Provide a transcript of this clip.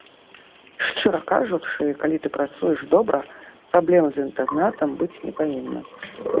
Шчыра кажучы, калі ты працуеш добра, праблем з інтэрнатам быць не павінна.